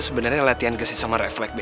sebenernya latihan kasih sama refleks be